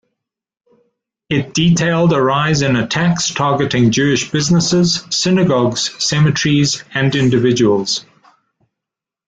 It detailed a rise in attacks targeting Jewish businesses, synagogues, cemeteries and individuals.